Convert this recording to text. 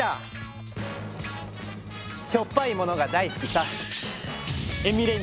しょっぱいものがだいすきさ。